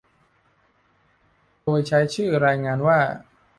โดยใช้ชื่อรายงานว่า